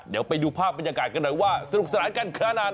เดี๋ยวไปดูภาพบรรยากาศกันหน่อยว่าสนุกสนานกันขนาดไหน